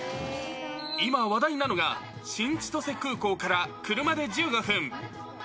今、話題なのが、新千歳空港から車で１５分。